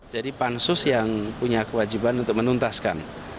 jadi pansus yang punya kewajiban untuk menuntaskan